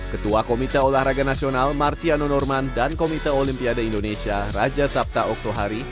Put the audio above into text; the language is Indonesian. ketua komite olahraga nasional marsiano norman dan komite olimpiade indonesia raja sabta oktohari